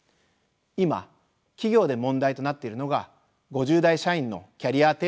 今企業で問題となっているのが５０代社員のキャリア停滞です。